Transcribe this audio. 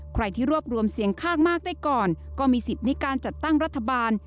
ใครที่รวบรวมเสียงข้างมากได้ก่อนก็มีสิทธิ์ในการจัดตั้งรัฐบาล